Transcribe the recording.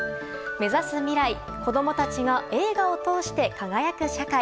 目指す未来子供たちが映画を通して輝く社会。